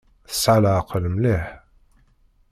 Tesɛa leɛqel mliḥ.